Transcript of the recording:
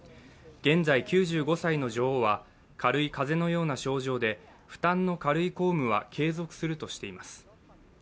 現在９５歳の女王は、軽い風邪のような症状で、負担の軽い公務は継続するとしています。